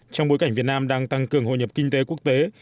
trong bối cảnh việt nam đang tăng cường hội nhập kinh tế quốc tế